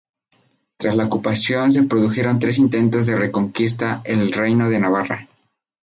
Tras la ocupación se produjeron tres intentos de reconquistar el Reino de Navarra.